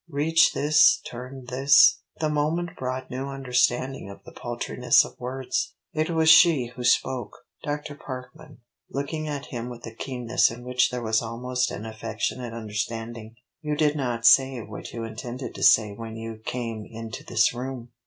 Reach this? Turn this? The moment brought new understanding of the paltriness of words. It was she who spoke. "Dr. Parkman," looking at him with a keenness in which there was almost an affectionate understanding "you did not say what you intended to say when you came into this room.